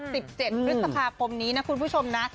๑๗พฤษภาคมนี้นะคุณผู้ชมนะ